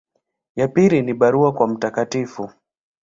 Ya pili ni barua kwa Mt.